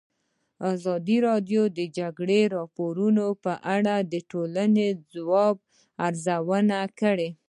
ازادي راډیو د د جګړې راپورونه په اړه د ټولنې د ځواب ارزونه کړې.